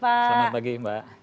selamat pagi mbak